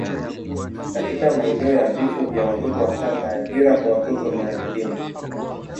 katika maeneo ya vifo vya watoto wachanga, ajira kwa watoto na elimu.